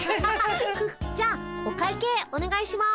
じゃあお会計おねがいします。